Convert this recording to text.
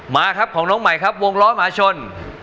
มาครับของน้องใหม่ครับวงล้อมหาชน